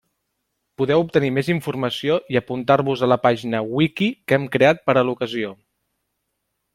Podeu obtenir més informació i apuntar-vos a la pàgina Wiki que hem creat per a l'ocasió.